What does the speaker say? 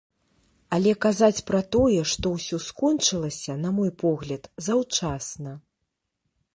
Але казаць пра тое, што ўсё скончылася, на мой погляд, заўчасна.